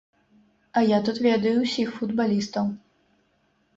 А я тут ведаю ўсіх футбалістаў.